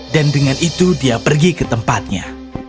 dan dengan itu dia pergi ke tempatnya